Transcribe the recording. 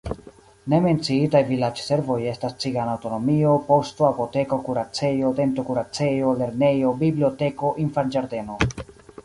Ne menciitaj vilaĝservoj estas cigana aŭtonomio, poŝto, apoteko, kuracejo, dentokuracejo, lernejo, biblioteko, infanĝardeno.